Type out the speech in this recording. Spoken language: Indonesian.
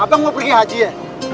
abang mau pergi haji ya